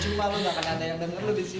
cuma lo nggak akan ada yang denger di sini